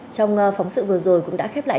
trong phóng sự vừa rồi cũng đã khép lại